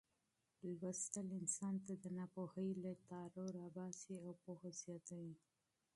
لوستل انسان د ناپوهۍ له تیارو راباسي او پوهه زیاتوي.